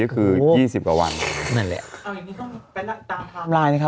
ก็คืออีกยี่สิบกว่าวันนั่นแหละเอาอีกนี้ต้องแป๊บละตามความลายนะคะ